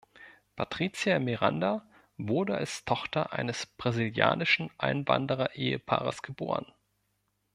Patricia Miranda wurde als Tochter eines brasilianischen Einwanderer-Ehepaares geboren.